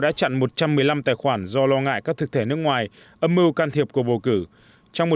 đã chặn một trăm một mươi năm tài khoản do lo ngại các thực thể nước ngoài âm mưu can thiệp của bầu cử trong một